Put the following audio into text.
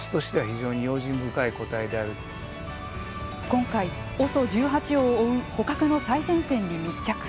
今回、ＯＳＯ１８を追う捕獲の最前線に密着。